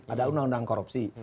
ada undang undang korupsi